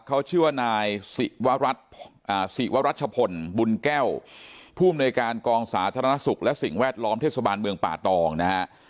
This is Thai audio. เขาชื่อว่านายศิวรัชพลบุญแก้วผู้อำนวยการกองสาธารณสุขและสิ่งแวดล้อมเทศบาลเมืองป่าตองนะฮะ